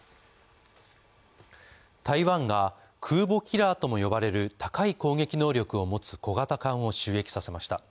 台湾が空母キラーとも呼ばれる高い攻撃能力を持つ小型艦を就役させました。